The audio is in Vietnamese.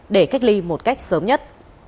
để cách ly một cách sớm nhất